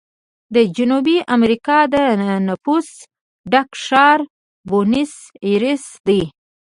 د جنوبي امریکا د نفوسو ډک ښار بونس ایرس دی.